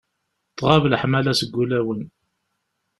Tɣab leḥmala seg wulawen.